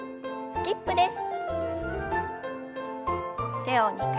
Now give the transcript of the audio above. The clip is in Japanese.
スキップです。